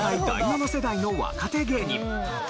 第７世代の若手芸人。